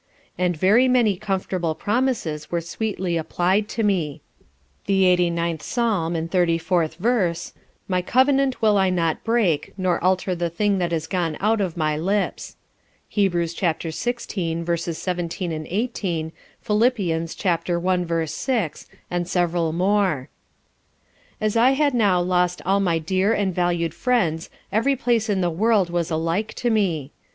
"_ And very many comfortable promises were sweetly applied to me. The lxxxix. Psalm and 34th verse, "My covenant will I not break nor alter the thing that is gone out of my lips." Hebrews, chap. xvi. v. 17, 18. Phillipians, chap. i. v. 6; and several more. As I had now lost all my dear and valued friends every place in the world was alike to me.